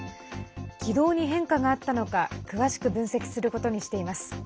軌道に変化があったのか詳しく分析することにしています。